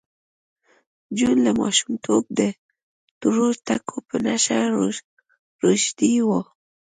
جون له ماشومتوبه د تورو ټکو په نشه روږدی و